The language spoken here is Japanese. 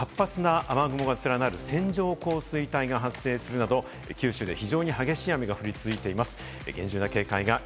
今朝、熊本では活発な雨雲が連なる線状降水帯が発生するなど九州で非常に激しい雨が降り続いています。